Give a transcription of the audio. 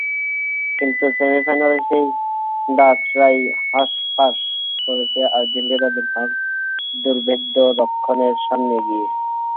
কিন্তু সেমিফাইনালে সেই ডাচরাই হাঁসফাঁস করেছে আর্জেন্টিনার দুর্ভেদ্য রক্ষণের সামনে গিয়ে।